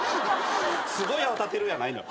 「すごい泡立ってる」やないの。